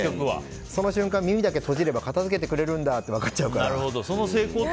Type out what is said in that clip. その瞬間、耳だけ閉じれば片付けてくれるんだって分かっちゃうから。